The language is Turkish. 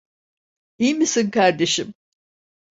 İyi misin kardeşim?